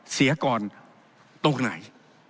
เสียก่อนตรงไหน